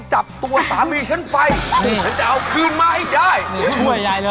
ห่วงอ๋อนึกถึงด้วยแย่เลย